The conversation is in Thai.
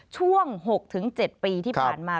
ช่วง๖๗ปีที่ผ่านมา